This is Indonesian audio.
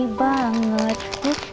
tidak ada yang mencuri